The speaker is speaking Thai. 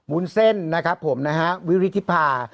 วุ้นเส้นนะครับผมนะฮะวิริธิภา